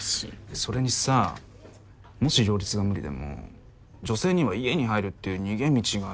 それにさもし両立が無理でも女性には家に入るっていう逃げ道があるじゃない。